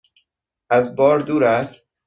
از بار دور است؟